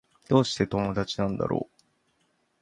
どうして友達なんだろう